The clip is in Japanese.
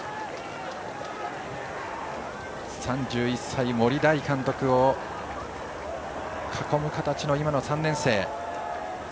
３１歳、森大監督を囲む形の今の３年生。